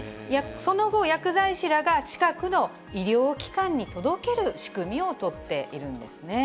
その後、薬剤師らが近くの医療機関に届ける仕組みを取っているんですね。